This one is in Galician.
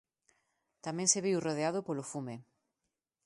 Tamén se viu rodeado polo fume.